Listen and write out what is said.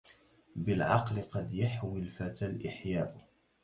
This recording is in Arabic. بالعقل قد يحوي الفتى الإحياء